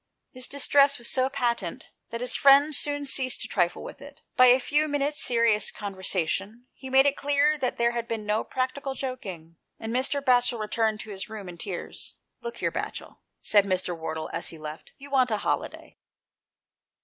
His distress was so patent that his friend soon ceased to trifle with it. By a few minutes serious con versation he made it clear that there had been no practical joking, and Mr. Batchel returned to his room in tears. "Look here, Batchel," said Mr. Wardle as he left, " you want a holiday."